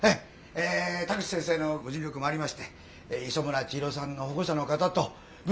え田口先生のご尽力もありまして磯村千尋さんの保護者の方と無事示談となりました。